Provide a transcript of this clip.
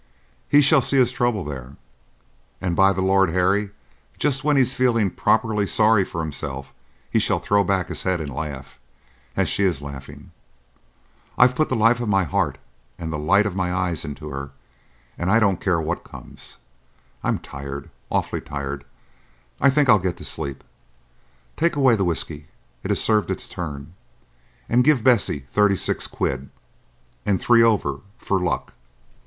"He shall see his trouble there, and, by the Lord Harry, just when he's feeling properly sorry for himself he shall throw back his head and laugh,—as she is laughing. I've put the life of my heart and the light of my eyes into her, and I don't care what comes.... I'm tired,—awfully tired. I think I'll get to sleep. Take away the whiskey, it has served its turn, and give Bessie thirty six quid, and three over for luck.